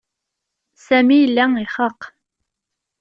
Sami yella ixaq.